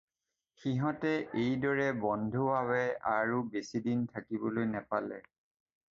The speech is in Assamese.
সিহঁতে এই দৰে বন্ধুভাৱে আৰু বেচি দিন থাকিবলৈ নেপালে।